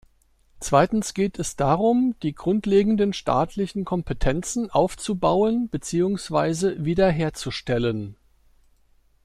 Zweitens geht es darum, die grundlegenden staatlichen Kompetenzen aufzubauen beziehungsweise wiederherzustellen.